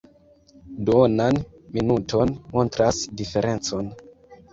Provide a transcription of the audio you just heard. Duonan minuton montras diferencon.